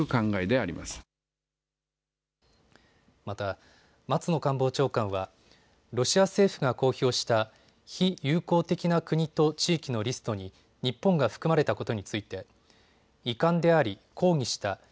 また、松野官房長官はロシア政府が公表した非友好的な国と地域のリストに日本が含まれたことについて遺憾であり、抗議した。